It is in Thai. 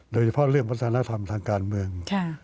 โดยเฉพาะเรื่องวัฒนธรรมทางการเมือง